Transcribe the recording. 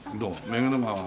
目黒川